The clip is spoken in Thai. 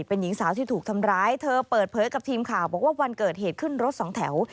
เป็นหญิงสาวที่ถูกทำร้ายเธอเปิดเผยกับทีมข่าวบอกว่าวันเกิดเหตุขึ้นรถสองแถว